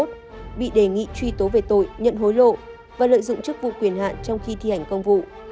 truy tố về tội nhận hối lộ và lợi dụng chức vụ quyền hạn trong khi thi hành công vụ